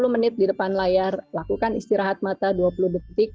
sepuluh menit di depan layar lakukan istirahat mata dua puluh detik